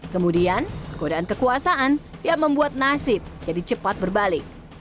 kemudian godaan kekuasaan yang membuat nasib jadi cepat berbalik